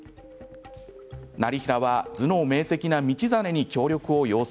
業平は頭脳明せきな道真に協力を要請。